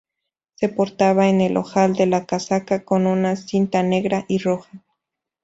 Se portaba en el ojal de la casaca con una cinta negra y roja.